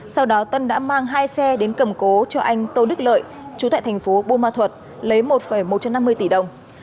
sau đó tân đã mang hai xe đến cầm cố cho anh tô đức lợi chú thệ tp bumathuật lấy một một trăm năm mươi tỷ đồng